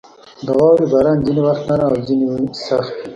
• د واورې باران ځینې وخت نرم او ځینې سخت وي.